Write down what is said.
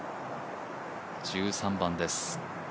１３番です。